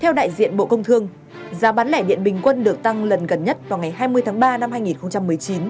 theo đại diện bộ công thương giá bán lẻ điện bình quân được tăng lần gần nhất vào ngày hai mươi tháng ba năm hai nghìn một mươi chín